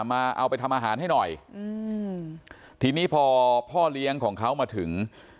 เอาไปทำอาหารให้หน่อยอืมทีนี้พอพ่อเลี้ยงของเขามาถึง